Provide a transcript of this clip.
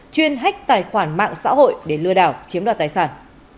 chuyên hách tài khoản mạng xã hội để lừa đảo chiếm đoạt tài sản